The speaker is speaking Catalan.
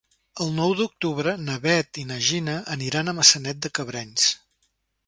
El nou d'octubre na Bet i na Gina aniran a Maçanet de Cabrenys.